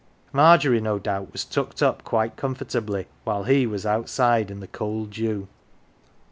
Margery no doubt was tucked up quite comfort ably, while he was outside in the cold dew.